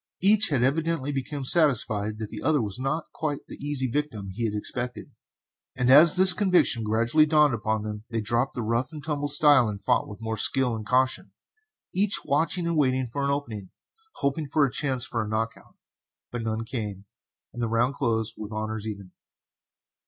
Each had evidently become satisfied that the other was not quite the easy victim he had expected; and as this conviction gradually dawned upon them they dropped the rough and tumble style and fought with more skill and caution, each watching and waiting for an opening, hoping for a chance for a "knock out," but none came, and the round closed with honors even.